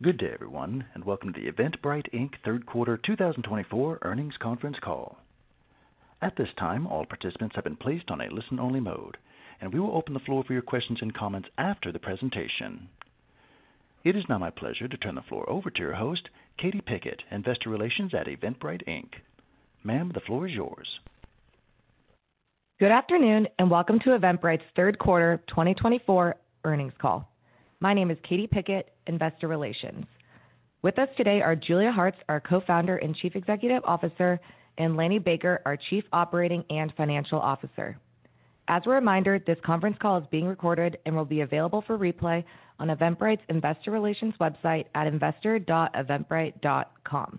Good day, everyone, and welcome to the Eventbrite Inc. Third Quarter 2024 Earnings Conference Call. At this time, all participants have been placed on a listen-only mode, and we will open the floor for your questions and comments after the presentation. It is now my pleasure to turn the floor over to your host, Katie Pickett, Investor Relations at Eventbrite Inc. Ma'am, the floor is yours. Good afternoon, and welcome to Eventbrite's Third Quarter 2024 Earnings Call. My name is Katie Pickett, Investor Relations. With us today are Julia Hartz, our Co-Founder and Chief Executive Officer, and Lanny Baker, our Chief Operating Officer and Chief Financial Officer. As a reminder, this conference call is being recorded and will be available for replay on Eventbrite's Investor Relations website at investor.eventbrite.com.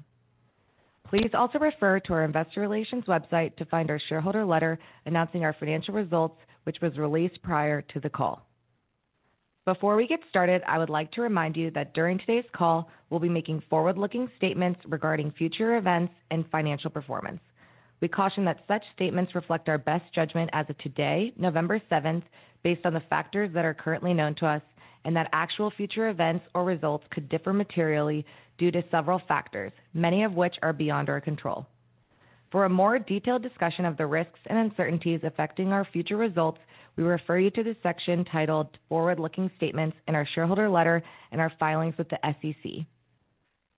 Please also refer to our Investor Relations website to find our shareholder letter announcing our financial results, which was released prior to the call. Before we get started, I would like to remind you that during today's call, we'll be making forward-looking statements regarding future events and financial performance. We caution that such statements reflect our best judgment as of today, November 7, based on the factors that are currently known to us, and that actual future events or results could differ materially due to several factors, many of which are beyond our control. For a more detailed discussion of the risks and uncertainties affecting our future results, we refer you to the section titled Forward-Looking Statements in our shareholder letter and our filings with the SEC.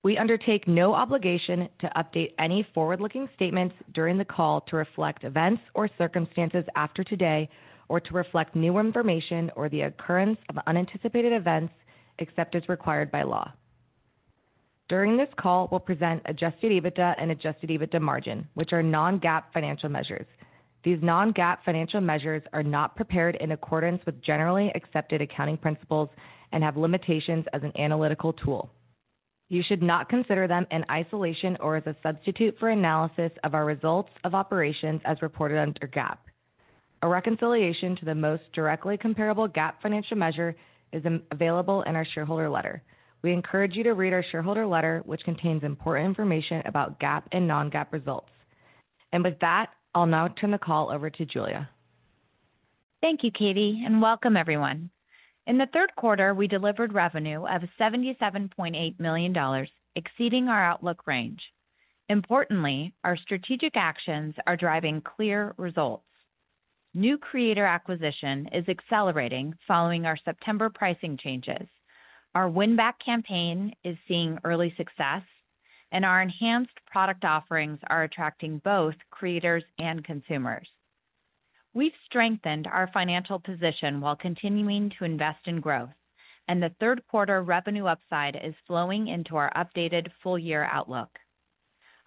We undertake no obligation to update any forward-looking statements during the call to reflect events or circumstances after today, or to reflect new information or the occurrence of unanticipated events except as required by law. During this call, we'll present Adjusted EBITDA and Adjusted EBITDA margin, which are non-GAAP financial measures. These non-GAAP financial measures are not prepared in accordance with generally accepted accounting principles and have limitations as an analytical tool. You should not consider them in isolation or as a substitute for analysis of our results of operations as reported under GAAP. A reconciliation to the most directly comparable GAAP financial measure is available in our shareholder letter. We encourage you to read our shareholder letter, which contains important information about GAAP and Non-GAAP results. And with that, I'll now turn the call over to Julia. Thank you, Katie, and welcome, everyone. In the third quarter, we delivered revenue of $77.8 million, exceeding our outlook range. Importantly, our strategic actions are driving clear results. New creator acquisition is accelerating following our September pricing changes. Our win-back campaign is seeing early success, and our enhanced product offerings are attracting both creators and consumers. We've strengthened our financial position while continuing to invest in growth, and the third quarter revenue upside is flowing into our updated full-year outlook.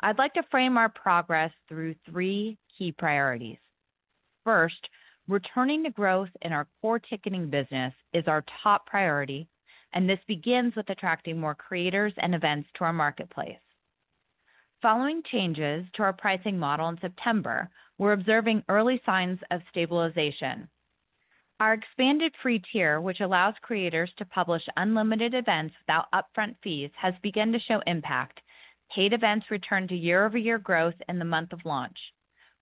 I'd like to frame our progress through three key priorities. First, returning to growth in our core ticketing business is our top priority, and this begins with attracting more creators and events to our marketplace. Following changes to our pricing model in September, we're observing early signs of stabilization. Our expanded free tier, which allows creators to publish unlimited events without upfront fees, has begun to show impact. Paid events returned to year-over-year growth in the month of launch.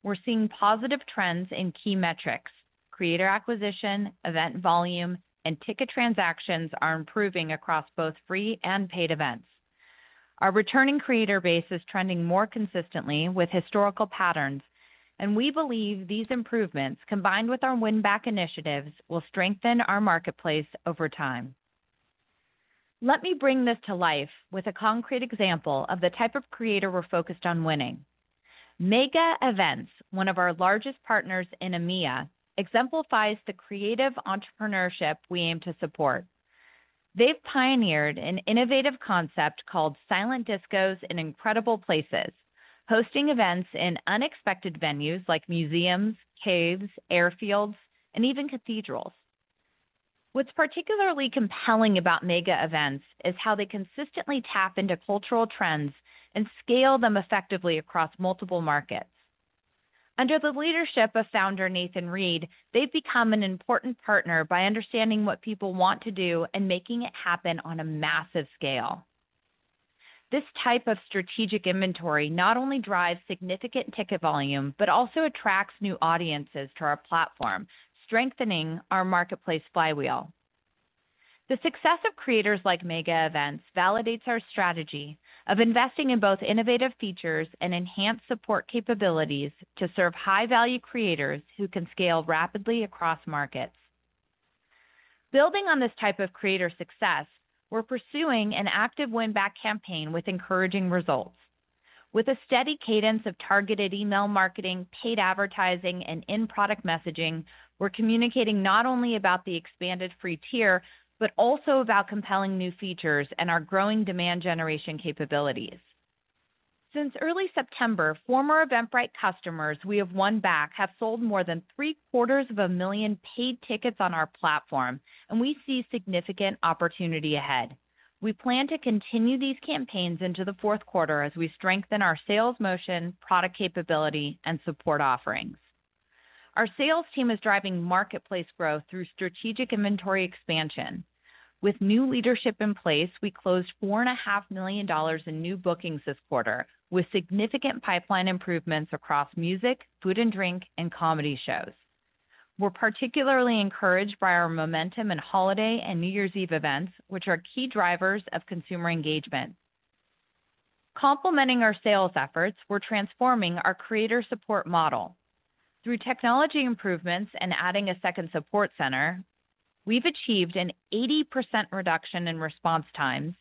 We're seeing positive trends in key metrics. Creator acquisition, event volume, and ticket transactions are improving across both free and paid events. Our returning creator base is trending more consistently with historical patterns, and we believe these improvements, combined with our win-back initiatives, will strengthen our marketplace over time. Let me bring this to life with a concrete example of the type of creator we're focused on winning. Mega Events, one of our largest partners in EMEA, exemplifies the creative entrepreneurship we aim to support. They've pioneered an innovative concept called Silent Discos in Incredible Places, hosting events in unexpected venues like museums, caves, airfields, and even cathedrals. What's particularly compelling about Mega Events is how they consistently tap into cultural trends and scale them effectively across multiple markets. Under the leadership of founder Nathan Reed, they've become an important partner by understanding what people want to do and making it happen on a massive scale. This type of strategic inventory not only drives significant ticket volume, but also attracts new audiences to our platform, strengthening our marketplace flywheel. The success of creators like Mega Events validates our strategy of investing in both innovative features and enhanced support capabilities to serve high-value creators who can scale rapidly across markets. Building on this type of creator success, we're pursuing an active win-back campaign with encouraging results. With a steady cadence of targeted email marketing, paid advertising, and in-product messaging, we're communicating not only about the expanded free tier, but also about compelling new features and our growing demand generation capabilities. Since early September, former Eventbrite customers we have won back have sold more than 750,000 paid tickets on our platform, and we see significant opportunity ahead. We plan to continue these campaigns into the fourth quarter as we strengthen our sales motion, product capability, and support offerings. Our sales team is driving marketplace growth through strategic inventory expansion. With new leadership in place, we closed $4.5 million in new bookings this quarter, with significant pipeline improvements across music, food and drink, and comedy shows. We're particularly encouraged by our momentum in holiday and New Year's Eve events, which are key drivers of consumer engagement. Complementing our sales efforts, we're transforming our creator support model. Through technology improvements and adding a second support center, we've achieved an 80% reduction in response times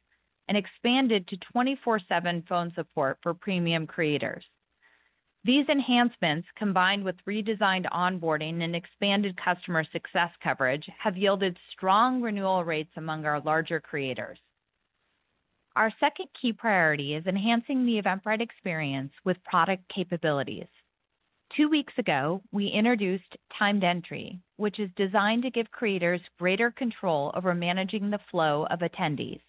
and expanded to 24/7 phone support for premium creators. These enhancements, combined with redesigned onboarding and expanded customer success coverage, have yielded strong renewal rates among our larger creators. Our second key priority is enhancing the Eventbrite experience with product capabilities. Two weeks ago, we introduced Timed Entry, which is designed to give creators greater control over managing the flow of attendees.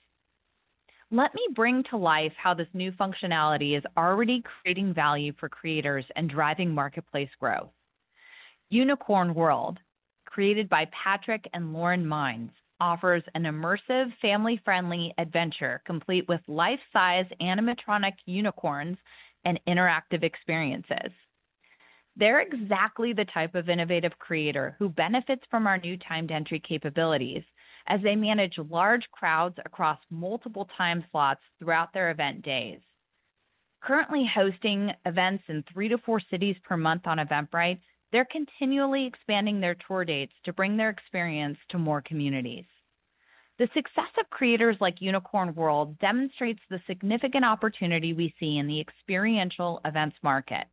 Let me bring to life how this new functionality is already creating value for creators and driving marketplace growth. Unicorn World, created by Patrick and Lauren Mines, offers an immersive, family-friendly adventure complete with life-size animatronic unicorns and interactive experiences. They're exactly the type of innovative creator who benefits from our new Timed Entry capabilities as they manage large crowds across multiple time slots throughout their event days. Currently hosting events in three to four cities per month on Eventbrite, they're continually expanding their tour dates to bring their experience to more communities. The success of creators like Unicorn World demonstrates the significant opportunity we see in the experiential events market.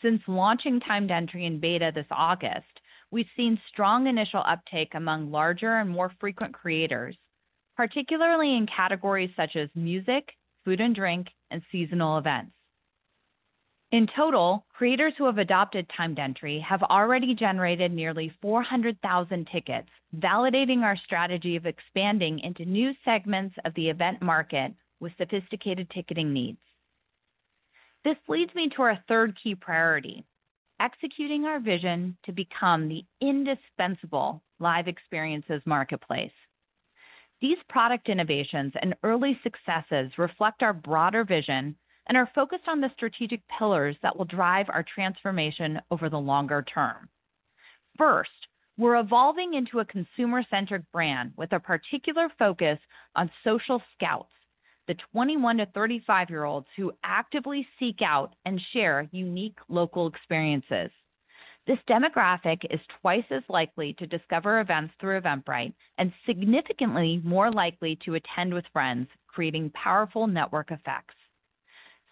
Since launching Timed Entry in beta this August, we've seen strong initial uptake among larger and more frequent creators, particularly in categories such as music, food and drink, and seasonal events. In total, creators who have adopted Timed Entry have already generated nearly 400,000 tickets, validating our strategy of expanding into new segments of the event market with sophisticated ticketing needs. This leads me to our third key priority: executing our vision to become the indispensable live experiences marketplace. These product innovations and early successes reflect our broader vision and are focused on the strategic pillars that will drive our transformation over the longer term. First, we're evolving into a consumer-centric brand with a particular focus on social scouts, the 21-35-year-olds who actively seek out and share unique local experiences. This demographic is twice as likely to discover events through Eventbrite and significantly more likely to attend with friends, creating powerful network effects.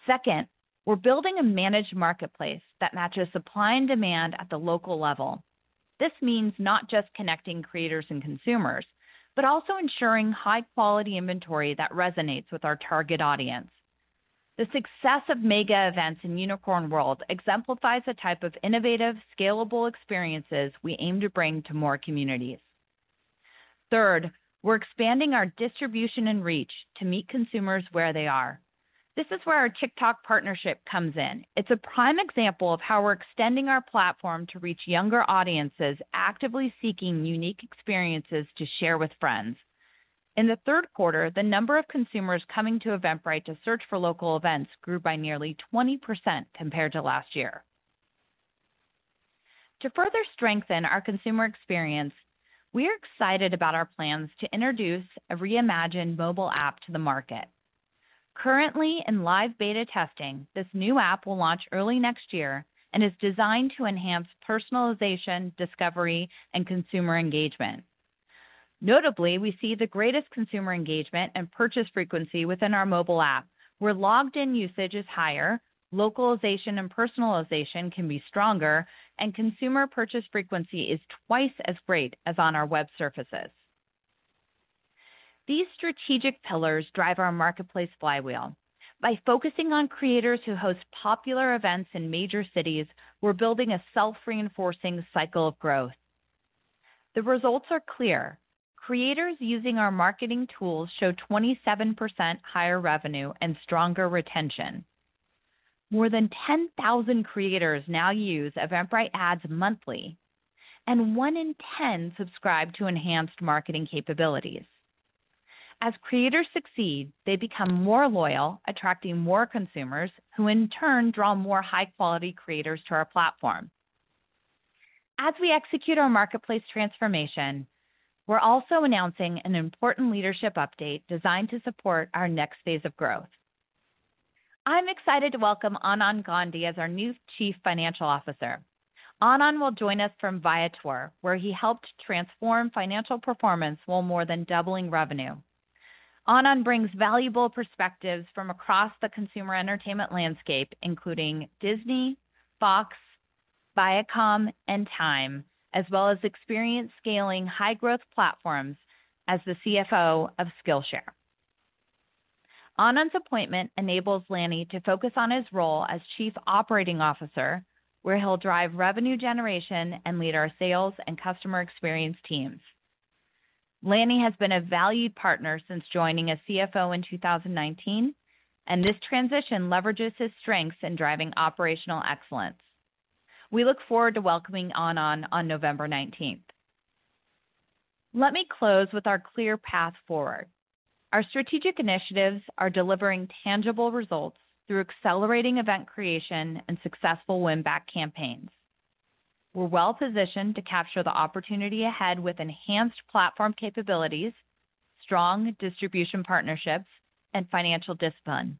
Second, we're building a managed marketplace that matches supply and demand at the local level. This means not just connecting creators and consumers, but also ensuring high-quality inventory that resonates with our target audience. The success of Mega Events and Unicorn World exemplifies the type of innovative, scalable experiences we aim to bring to more communities. Third, we're expanding our distribution and reach to meet consumers where they are. This is where our TikTok partnership comes in. It's a prime example of how we're extending our platform to reach younger audiences actively seeking unique experiences to share with friends. In the third quarter, the number of consumers coming to Eventbrite to search for local events grew by nearly 20% compared to last year. To further strengthen our consumer experience, we are excited about our plans to introduce a reimagined mobile app to the market. Currently in live beta testing, this new app will launch early next year and is designed to enhance personalization, discovery, and consumer engagement. Notably, we see the greatest consumer engagement and purchase frequency within our mobile app, where logged-in usage is higher, localization and personalization can be stronger, and consumer purchase frequency is twice as great as on our web surfaces. These strategic pillars drive our marketplace flywheel. By focusing on creators who host popular events in major cities, we're building a self-reinforcing cycle of growth. The results are clear. Creators using our marketing tools show 27% higher revenue and stronger retention. More than 10,000 creators now use Eventbrite Ads monthly, and one in ten subscribe to enhanced marketing capabilities. As creators succeed, they become more loyal, attracting more consumers who in turn draw more high-quality creators to our platform. As we execute our marketplace transformation, we're also announcing an important leadership update designed to support our next phase of growth. I'm excited to welcome Anand Gandhi as our new Chief Financial Officer. Anand will join us from Viator, where he helped transform financial performance while more than doubling revenue. Anand brings valuable perspectives from across the consumer entertainment landscape, including Disney, Fox, Viacom, and Time, as well as experience scaling high-growth platforms as the CFO of Skillshare. Anand's appointment enables Lanny to focus on his role as Chief Operating Officer, where he'll drive revenue generation and lead our sales and customer experience teams. Lanny has been a valued partner since joining as CFO in 2019, and this transition leverages his strengths in driving operational excellence. We look forward to welcoming Anand on November 19th. Let me close with our clear path forward. Our strategic initiatives are delivering tangible results through accelerating event creation and successful win-back campaigns. We're well-positioned to capture the opportunity ahead with enhanced platform capabilities, strong distribution partnerships, and financial discipline.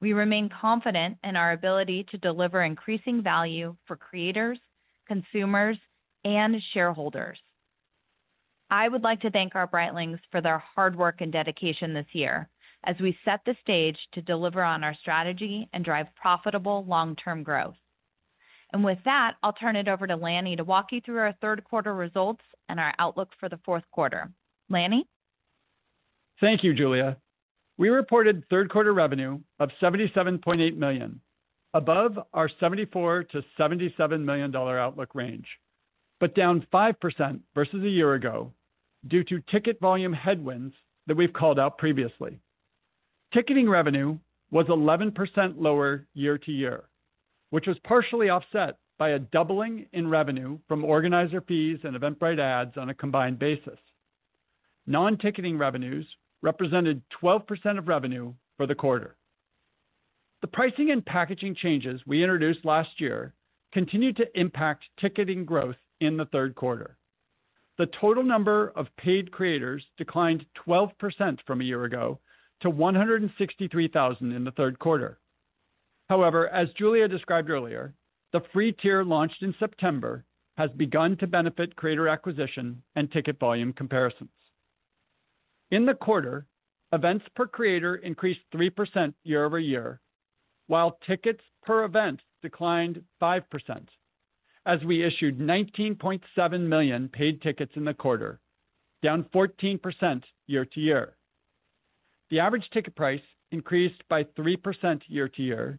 We remain confident in our ability to deliver increasing value for creators, consumers, and shareholders. I would like to thank our Brightlings for their hard work and dedication this year as we set the stage to deliver on our strategy and drive profitable long-term growth. And with that, I'll turn it over to Lanny to walk you through our third quarter results and our outlook for the fourth quarter. Lanny? Thank you, Julia. We reported third quarter revenue of $77.8 million, above our $74 million-$77 million outlook range, but down 5% versus a year ago due to ticket volume headwinds that we've called out previously. Ticketing revenue was 11% lower year-to-year, which was partially offset by a doubling in revenue from organizer fees and Eventbrite ads on a combined basis. Non-ticketing revenues represented 12% of revenue for the quarter. The pricing and packaging changes we introduced last year continued to impact ticketing growth in the third quarter. The total number of paid creators declined 12% from a year ago to 163,000 in the third quarter. However, as Julia described earlier, the free tier launched in September has begun to benefit creator acquisition and ticket volume comparisons. In the quarter, events per creator increased 3% year-over-year, while tickets per event declined 5% as we issued 19.7 million paid tickets in the quarter, down 14% year-to-year. The average ticket price increased by 3% year-to-year to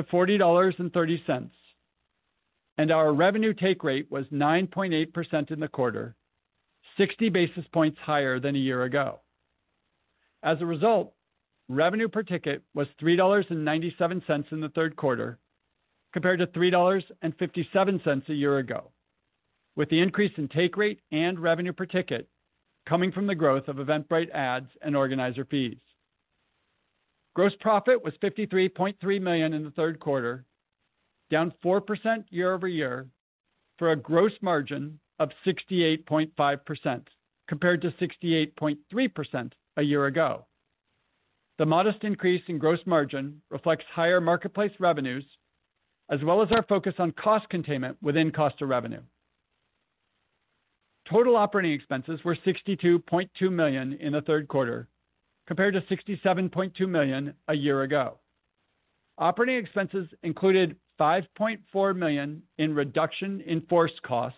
$40.30, and our revenue take rate was 9.8% in the quarter, 60 basis points higher than a year ago. As a result, revenue per ticket was $3.97 in the third quarter compared to $3.57 a year ago, with the increase in take rate and revenue per ticket coming from the growth of Eventbrite Ads and organizer fees. Gross profit was $53.3 million in the third quarter, down 4% year-over-year for a gross margin of 68.5% compared to 68.3% a year ago. The modest increase in gross margin reflects higher marketplace revenues as well as our focus on cost containment within cost of revenue. Total operating expenses were $62.2 million in the third quarter compared to $67.2 million a year ago. Operating expenses included $5.4 million in reduction in force costs,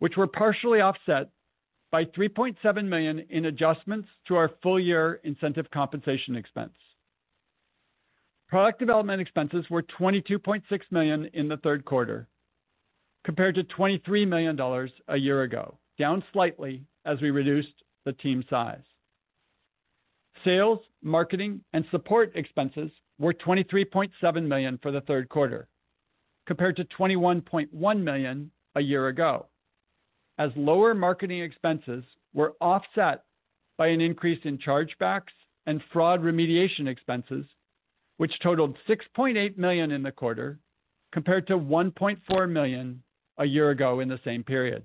which were partially offset by $3.7 million in adjustments to our full-year incentive compensation expense. Product development expenses were $22.6 million in the third quarter compared to $23 million a year ago, down slightly as we reduced the team size. Sales, marketing, and support expenses were $23.7 million for the third quarter compared to $21.1 million a year ago, as lower marketing expenses were offset by an increase in chargebacks and fraud remediation expenses, which totaled $6.8 million in the quarter compared to $1.4 million a year ago in the same period.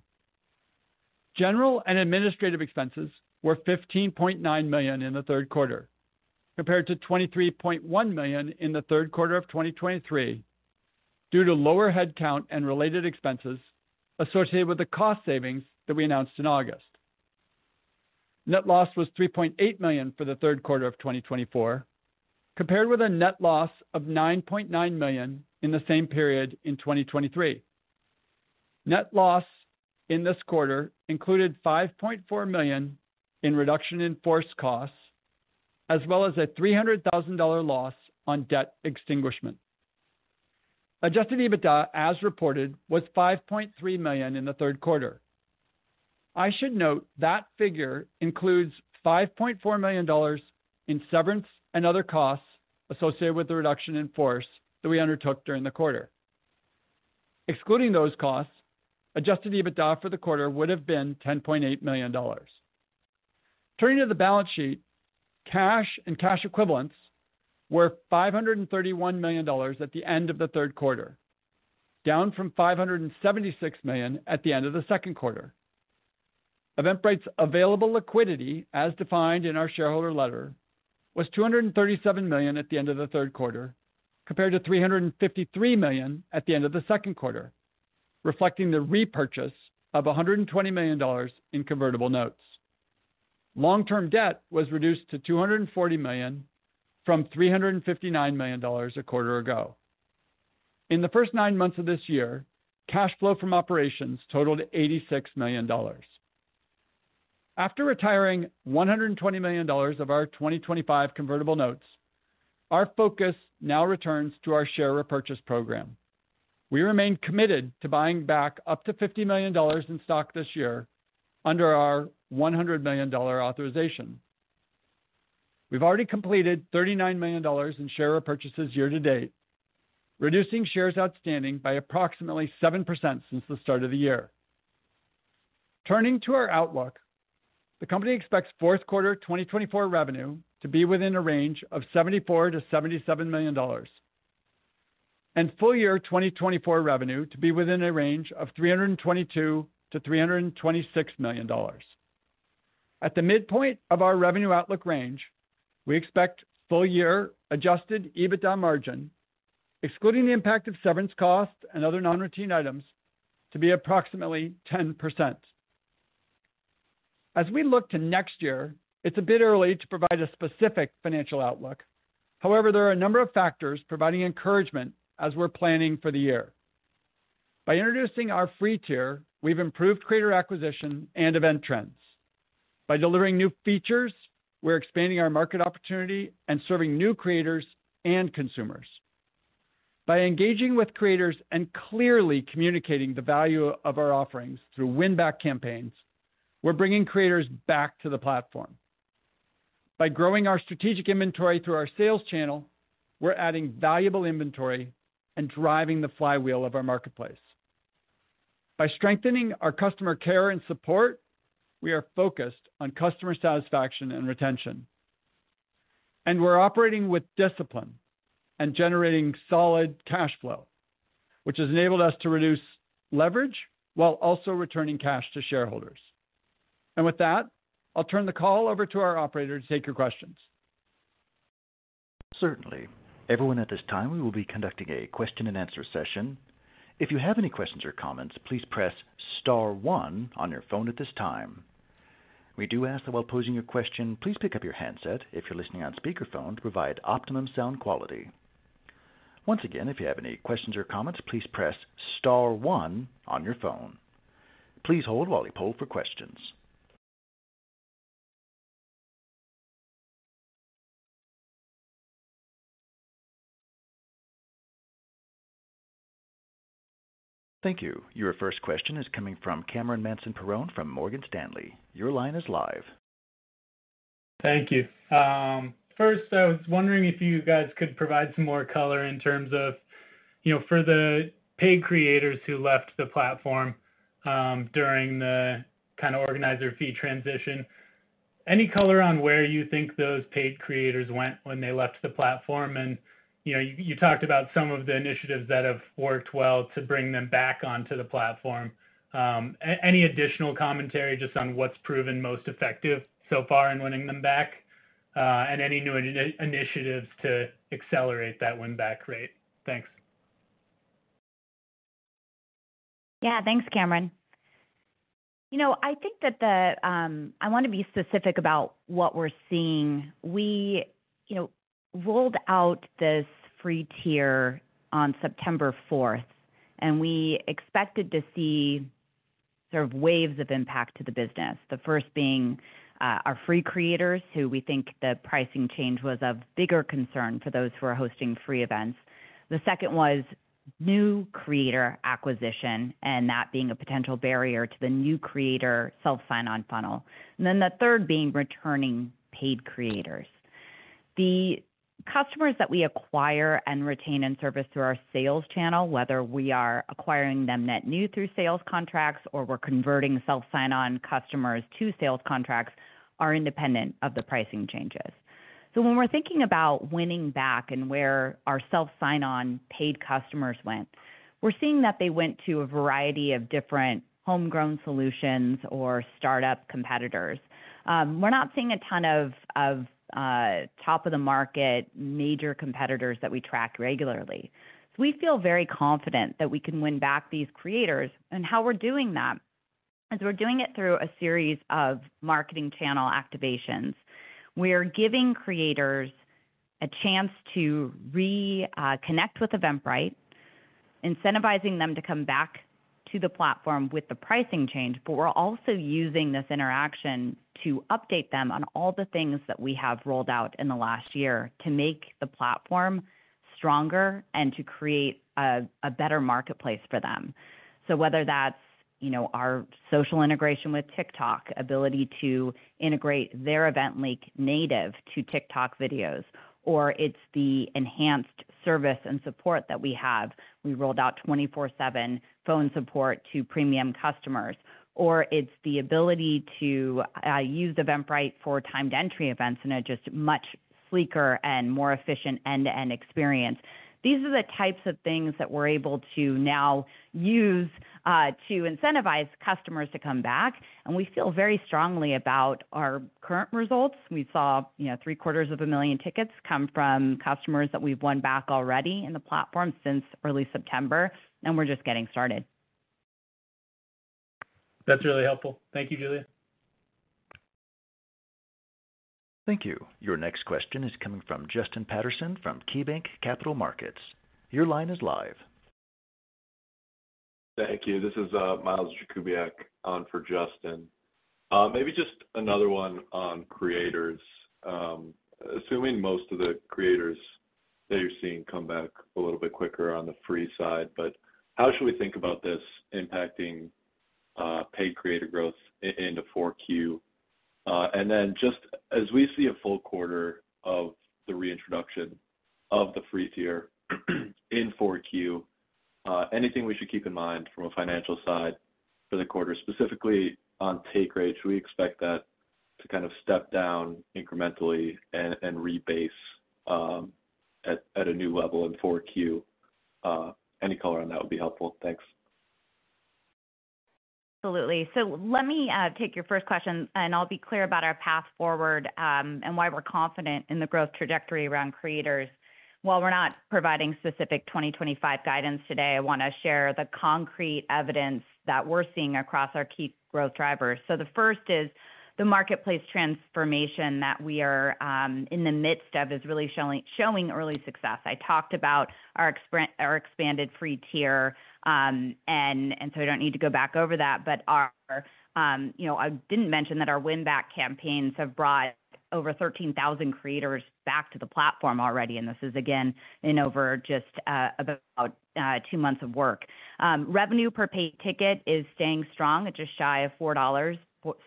General and administrative expenses were $15.9 million in the third quarter compared to $23.1 million in the third quarter of 2023 due to lower headcount and related expenses associated with the cost savings that we announced in August. Net loss was $3.8 million for the third quarter of 2024 compared with a net loss of $9.9 million in the same period in 2023. Net loss in this quarter included $5.4 million in reduction in force costs, as well as a $300,000 loss on debt extinguishment. Adjusted EBITDA, as reported, was $5.3 million in the third quarter. I should note that figure includes $5.4 million in severance and other costs associated with the reduction in force that we undertook during the quarter. Excluding those costs, adjusted EBITDA for the quarter would have been $10.8 million. Turning to the balance sheet, cash and cash equivalents were $531 million at the end of the third quarter, down from $576 million at the end of the second quarter. Eventbrite's available liquidity, as defined in our shareholder letter, was $237 million at the end of the third quarter compared to $353 million at the end of the second quarter, reflecting the repurchase of $120 million in convertible notes. Long-term debt was reduced to $240 million from $359 million a quarter ago. In the first nine months of this year, cash flow from operations totaled $86 million. After retiring $120 million of our 2025 convertible notes, our focus now returns to our share repurchase program. We remain committed to buying back up to $50 million in stock this year under our $100 million authorization. We've already completed $39 million in share repurchases year to date, reducing shares outstanding by approximately 7% since the start of the year. Turning to our outlook, the company expects fourth quarter 2024 revenue to be within a range of $74 million-$77 million, and full year 2024 revenue to be within a range of $322 million-$326 million. At the midpoint of our revenue outlook range, we expect full year Adjusted EBITDA margin, excluding the impact of severance costs and other non-routine items, to be approximately 10%. As we look to next year, it's a bit early to provide a specific financial outlook. However, there are a number of factors providing encouragement as we're planning for the year. By introducing our free tier, we've improved creator acquisition and event trends. By delivering new features, we're expanding our market opportunity and serving new creators and consumers. By engaging with creators and clearly communicating the value of our offerings through win-back campaigns, we're bringing creators back to the platform. By growing our strategic inventory through our sales channel, we're adding valuable inventory and driving the flywheel of our marketplace. By strengthening our customer care and support, we are focused on customer satisfaction and retention. And we're operating with discipline and generating solid cash flow, which has enabled us to reduce leverage while also returning cash to shareholders. And with that, I'll turn the call over to our operator to take your questions. Certainly. Everyone at this time, we will be conducting a question and answer session. If you have any questions or comments, please press star one on your phone at this time. We do ask that while posing your question, please pick up your handset if you're listening on speakerphone to provide optimum sound quality. Once again, if you have any questions or comments, please press star one on your phone. Please hold while we poll for questions. Thank you. Your first question is coming from Cameron Manson-Perrone from Morgan Stanley. Your line is live. Thank you. First, I was wondering if you guys could provide some more color in terms of for the paid creators who left the platform during the kind of organizer fee transition. Any color on where you think those paid creators went when they left the platform? And you talked about some of the initiatives that have worked well to bring them back onto the platform. Any additional commentary just on what's proven most effective so far in winning them back? And any new initiatives to accelerate that win-back rate? Thanks. Yeah, thanks, Cameron. I think that I want to be specific about what we're seeing. We rolled out this free tier on September 4th, and we expected to see sort of waves of impact to the business, the first being our free creators, who we think the pricing change was of bigger concern for those who are hosting free events. The second was new creator acquisition and that being a potential barrier to the new creator self-sign-on funnel. And then the third being returning paid creators. The customers that we acquire and retain and service through our sales channel, whether we are acquiring them net new through sales contracts or we're converting self-sign-on customers to sales contracts, are independent of the pricing changes. So when we're thinking about winning back and where our self-sign-on paid customers went, we're seeing that they went to a variety of different homegrown solutions or startup competitors. We're not seeing a ton of top-of-the-market major competitors that we track regularly. We feel very confident that we can win back these creators. And how we're doing that is we're doing it through a series of marketing channel activations. We're giving creators a chance to reconnect with Eventbrite, incentivizing them to come back to the platform with the pricing change, but we're also using this interaction to update them on all the things that we have rolled out in the last year to make the platform stronger and to create a better marketplace for them. Whether that's our social integration with TikTok, ability to integrate their event link natively to TikTok videos, or it's the enhanced service and support that we have. We rolled out 24/7 phone support to premium customers, or it's the ability to use Eventbrite for timed entry events in just a much sleeker and more efficient end-to-end experience. These are the types of things that we're able to now use to incentivize customers to come back, and we feel very strongly about our current results. We saw 750,000 tickets come from customers that we've won back already in the platform since early September, and we're just getting started. That's really helpful. Thank you, Julia. Thank you. Your next question is coming from Justin Patterson from KeyBanc Capital Markets. Your line is live. Thank you. This is Miles Jakubiak on for Justin. Maybe just another one on creators. Assuming most of the creators that you're seeing come back a little bit quicker on the free side, but how should we think about this impacting paid creator growth in the 4Q? And then just as we see a full quarter of the reintroduction of the free tier in 4Q, anything we should keep in mind from a financial side for the quarter, specifically on take rates? We expect that to kind of step down incrementally and rebase at a new level in 4Q. Any color on that would be helpful. Thanks. Absolutely. So let me take your first question, and I'll be clear about our path forward and why we're confident in the growth trajectory around creators. While we're not providing specific 2025 guidance today, I want to share the concrete evidence that we're seeing across our key growth drivers. So the first is the marketplace transformation that we are in the midst of is really showing early success. I talked about our expanded free tier, and so I don't need to go back over that, but I didn't mention that our win-back campaigns have brought over 13,000 creators back to the platform already, and this is, again, in over just about two months of work. Revenue per paid ticket is staying strong. It's just shy of $4,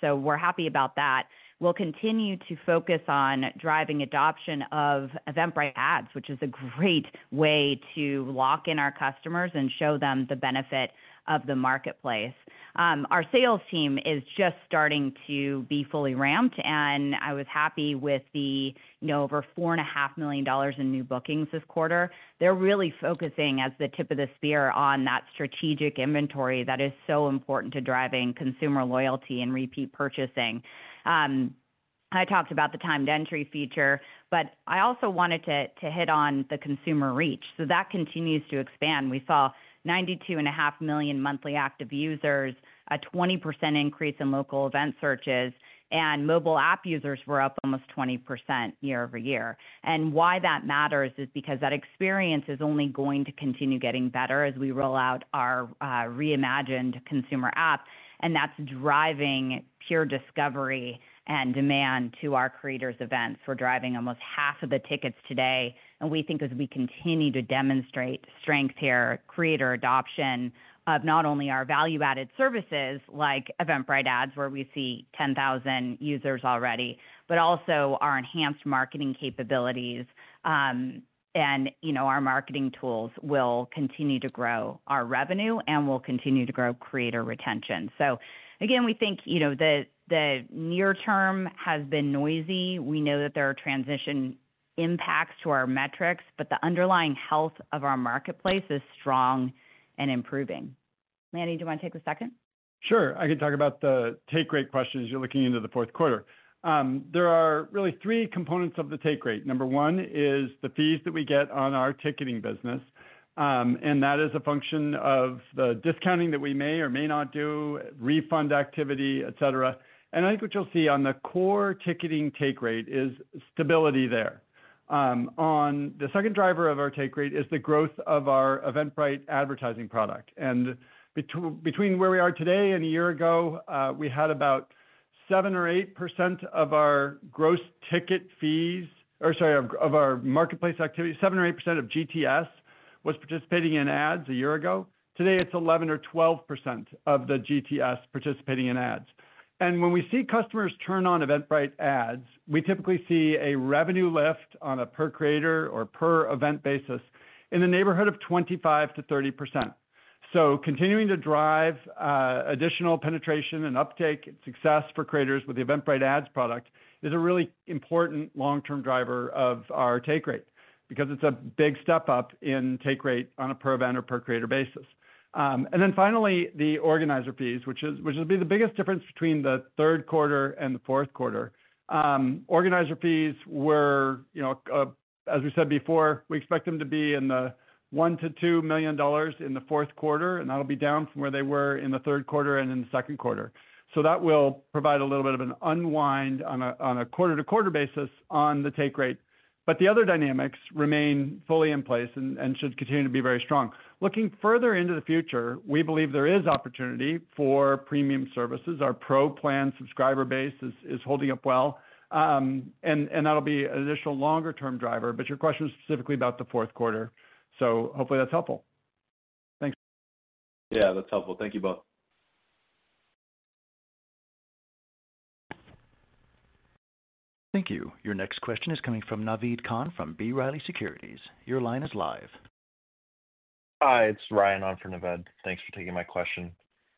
so we're happy about that. We'll continue to focus on driving adoption of Eventbrite Ads, which is a great way to lock in our customers and show them the benefit of the marketplace. Our sales team is just starting to be fully ramped, and I was happy with the over $4.5 million in new bookings this quarter. They're really focusing, as the tip of the spear, on that strategic inventory that is so important to driving consumer loyalty and repeat purchasing. I talked about the timed entry feature, but I also wanted to hit on the consumer reach. So that continues to expand. We saw 92.5 million monthly active users, a 20% increase in local event searches, and mobile app users were up almost 20% year-over-year. And why that matters is because that experience is only going to continue getting better as we roll out our reimagined consumer app, and that's driving peer discovery and demand to our creators' events. We're driving almost half of the tickets today. And we think as we continue to demonstrate strength here, creator adoption of not only our value-added services like Eventbrite Ads, where we see 10,000 users already, but also our enhanced marketing capabilities and our marketing tools will continue to grow our revenue and will continue to grow creator retention. So again, we think the near term has been noisy. We know that there are transition impacts to our metrics, but the underlying health of our marketplace is strong and improving. Lanny, do you want to take the second? Sure. I can talk about the take rate questions you're looking into the fourth quarter. There are really three components of the take rate. Number one is the fees that we get on our ticketing business, and that is a function of the discounting that we may or may not do, refund activity, etc. And I think what you'll see on the core ticketing take rate is stability there. The second driver of our take rate is the growth of our Eventbrite advertising product. Between where we are today and a year ago, we had about 7% or 8% of our gross ticket fees, or sorry, of our marketplace activity. 7% or 8% of GTS was participating in ads a year ago. Today, it's 11% or 12% of the GTS participating in ads. When we see customers turn on Eventbrite Ads, we typically see a revenue lift on a per creator or per event basis in the neighborhood of 25% to 30%. Continuing to drive additional penetration and uptake and success for creators with the Eventbrite Ads product is a really important long-term driver of our take rate because it's a big step up in take rate on a per event or per creator basis. Then finally, the organizer fees, which will be the biggest difference between the third quarter and the fourth quarter. Organizer fees were, as we said before, we expect them to be in the $1 million-$2 million in the fourth quarter, and that'll be down from where they were in the third quarter and in the second quarter. So that will provide a little bit of an unwind on a quarter-to-quarter basis on the take rate. But the other dynamics remain fully in place and should continue to be very strong. Looking further into the future, we believe there is opportunity for premium services. Our Pro plan subscriber base is holding up well, and that'll be an additional longer-term driver. But your question was specifically about the fourth quarter, so hopefully that's helpful. Thanks. Yeah, that's helpful. Thank you both. Thank you. Your next question is coming from Navid Khan from B. Riley Securities. Your line is live. Hi, it's Ryan. I'm from Nevada. Thanks for taking my question.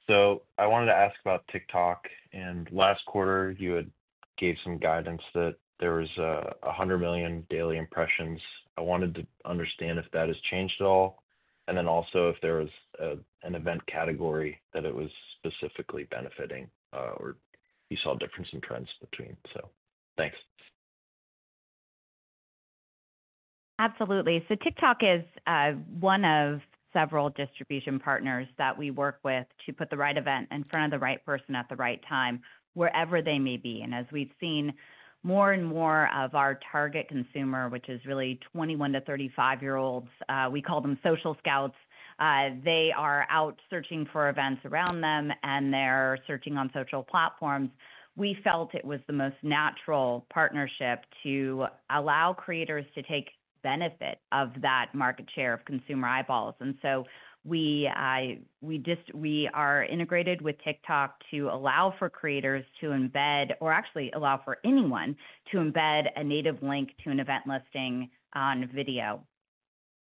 So I wanted to ask about TikTok, and last quarter, you had given some guidance that there was 100 million daily impressions. I wanted to understand if that has changed at all, and then also if there was an event category that it was specifically benefiting or you saw a difference in trends between. So thanks. Absolutely. So TikTok is one of several distribution partners that we work with to put the right event in front of the right person at the right time, wherever they may be. And as we've seen more and more of our target consumer, which is really 21 to 35-year-olds, we call them social scouts. They are out searching for events around them, and they're searching on social platforms. We felt it was the most natural partnership to allow creators to take benefit of that market share of consumer eyeballs. And so we are integrated with TikTok to allow for creators to embed, or actually allow for anyone to embed a native link to an event listing on video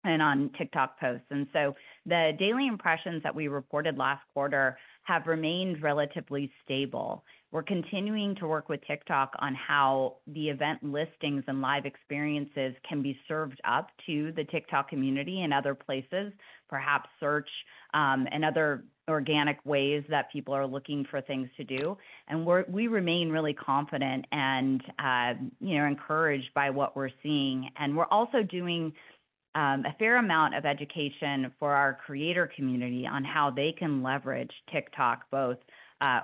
and on TikTok posts. And so the daily impressions that we reported last quarter have remained relatively stable. We're continuing to work with TikTok on how the event listings and live experiences can be served up to the TikTok community and other places, perhaps search and other organic ways that people are looking for things to do. And we remain really confident and encouraged by what we're seeing. And we're also doing a fair amount of education for our creator community on how they can leverage TikTok both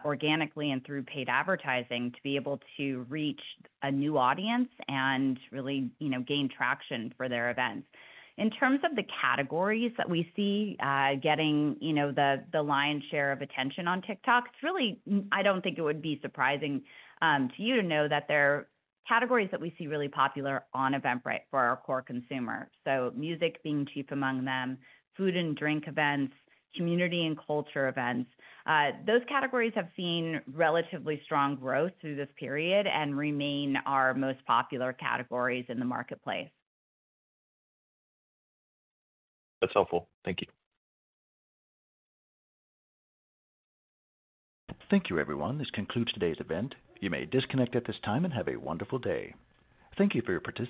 organically and through paid advertising to be able to reach a new audience and really gain traction for their events. In terms of the categories that we see getting the lion's share of attention on TikTok, it's really, I don't think it would be surprising to you to know that there are categories that we see really popular on Eventbrite for our core consumer. So music being chief among them, food and drink events, community and culture events. Those categories have seen relatively strong growth through this period and remain our most popular categories in the marketplace. That's helpful. Thank you. Thank you, everyone. This concludes today's event. You may disconnect at this time and have a wonderful day. Thank you for your participation.